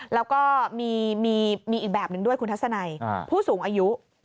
แล้วก็มีอีกแบบนึงด้วยคุณทัศนัยผู้สูงอายุ